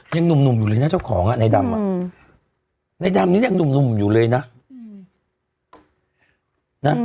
ยังหนุ่มอยู่เลยนะเจ้าของอ่ะในดำในดำนี้ยังหนุ่มอยู่เลยนะ